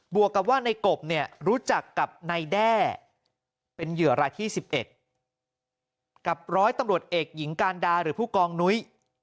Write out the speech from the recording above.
บวกกับว่าในกบเนี่ยรู้จักกับนายได้